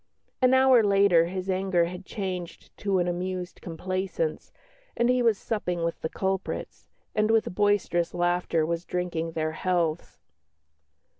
An hour later his anger had changed to an amused complaisance, and he was supping with the culprits, and with boisterous laughter was drinking their healths.